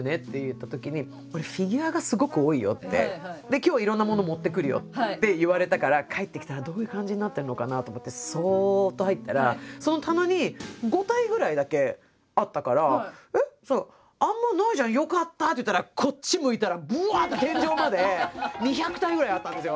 「今日いろんなもの持ってくるよ」って言われたから帰ってきたらどういう感じになってるのかなと思ってそっと入ったらその棚に５体ぐらいだけあったから「えっあんまないじゃん。よかった」って言ったらこっち向いたらブワッと天井まで２００体ぐらいあったんですよ。